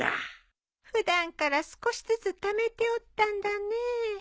普段から少しずつためておったんだねえ。